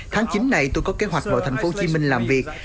tháng chín này tôi có kế hoạch vào tp hcm làm việc